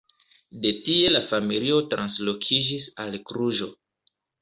De tie la familio translokiĝis al Kluĵo.